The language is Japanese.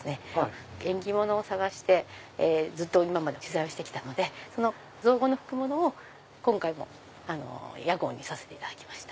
縁起物を探してずっと今まで取材をして来たので造語の「ふくもの」を今回も屋号にさせていただきました。